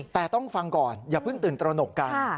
แต่ต้องฟังก่อนอย่าเพิ่งตื่นตระหนกกัน